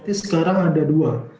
jadi sekarang ada dua